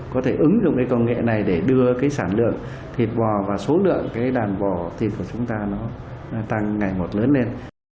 có thể ứng dụng cái công nghệ này để đưa cái sản lượng thịt bò và số lượng cái đàn bò thịt của chúng ta nó tăng ngày một lớn lên